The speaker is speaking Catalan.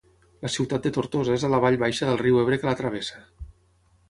La ciutat de Tortosa és a la vall baixa del riu Ebre que la travessa.